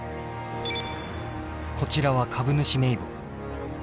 こちらは株主名簿。